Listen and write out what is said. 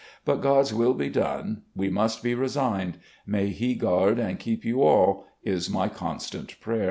But God's will be done. We must be resigned. May He guard and keep you all, is my constant prayer."